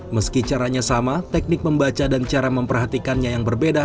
meski caranya sama teknik membaca dan cara memperhatikannya yang berbeda